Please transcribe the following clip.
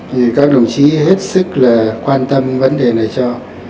thì các đồng chí hết sức là quan tâm vấn đề này cho